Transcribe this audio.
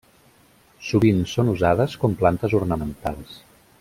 Sovint són usades com plantes ornamentals.